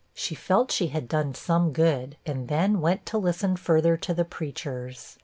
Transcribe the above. She felt she had done some good, and then went to listen further to the preachers.